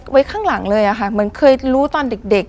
ไว้ข้างหลังเลยอะค่ะเหมือนเคยรู้ตอนเด็ก